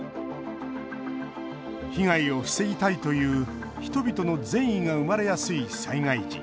被害を防ぎたいという人々の善意が生まれやすい災害時。